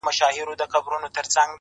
دا مه وايه چي ژوند تر مرگ ښه دی _